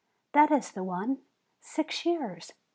that is the one; six years!